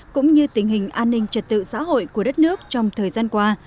cũng như tình hình an ninh trật tự xã hội của đất nước trong thời gian qua